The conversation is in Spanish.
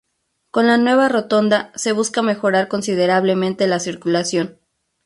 Con la nueva rotonda, se buscó mejorar considerablemente la circulación.